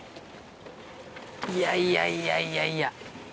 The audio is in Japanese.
いやいやいやいやいや。